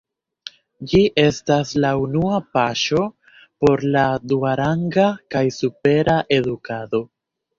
Ĝi estas la unua paŝo por la duaranga kaj supera edukado.